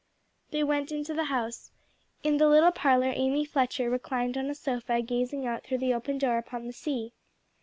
They went into the house. In the little parlor Amy Fletcher reclined on a sofa gazing out through the open door upon the sea.